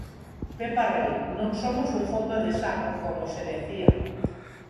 Pepa Rei: Non somos un fondo de saco, como se decía.